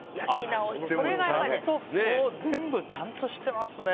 全部、ちゃんとしてますね。